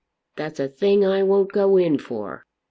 That's a thing I won't go in for."